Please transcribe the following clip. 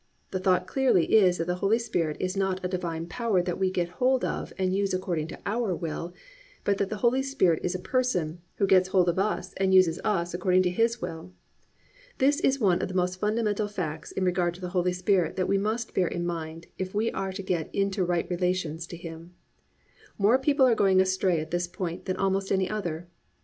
The thought clearly is that the Holy Spirit is not a divine power that we get hold of and use according to our will, but that the Holy Spirit is a person who gets hold of us and uses us according to His will. This is one of the most fundamental facts in regard to the Holy Spirit that we must bear in mind if we are to get into right relations to Him. More people are going astray at this point than almost any other.